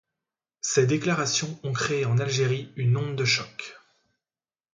Ces déclarations ont créé en Algérie une onde de choc.